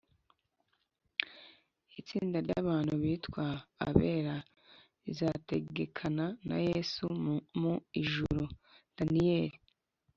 Itsinda ry’abantu bitwa “abera” rizategekana na Yesu mu ijuru (Daniyeli :)